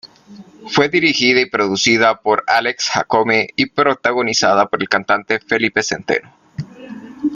Fue dirigida y producida por Alex Jácome y protagonizada por el cantante Felipe Centeno.